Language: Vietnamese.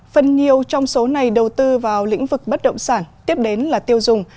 phần nhiều trong số này đầu tư vào lĩnh vực bất động sản tiếp đến là tiêu dùng